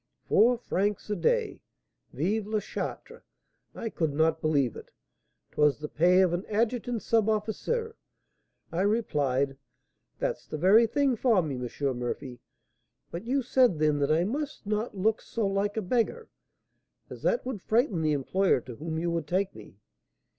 Four francs a day! Vive la Charte! I could not believe it; 'twas the pay of an adjutant sub officer! I replied, 'That's the very thing for me, M. Murphy!' but you said then that I must not look so like a beggar, as that would frighten the employer to whom you would take me.